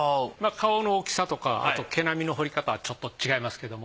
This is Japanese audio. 顔の大きさとかあと毛並みの彫り方はちょっと違いますけども。